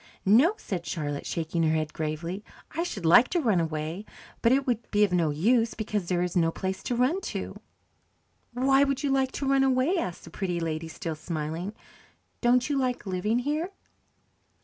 "No," said Charlotte, shaking her head gravely. "I should like to run away but it would be of no use, because there is no place to run to." "Why would you like to run away?" asked the Pretty Lady, still smiling. "Don't you like living here?"